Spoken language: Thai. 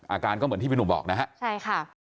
อาการก็เหมือนที่พี่หนุ่มบอกนะฮะใช่ค่ะ